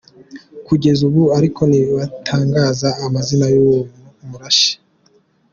Kugeza ubu ariko ntibatangaza amazina y’uwo wamurashe.